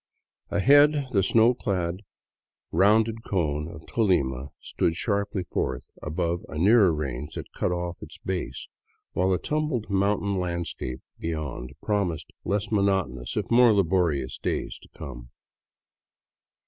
Ahead, the snow clad rounded cone of Tolima stood sharply forth above a nearer range that cut off its base, while a tumbled moun tain landscape beyond promised less monotonous if more laboriouf days to come.